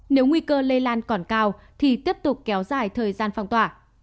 nếu nguy cơ lây lan còn cao thì tiếp tục kéo dài thời gian phong tỏa